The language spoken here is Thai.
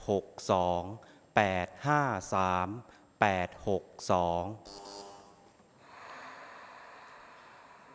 ออกรางวัลที่๖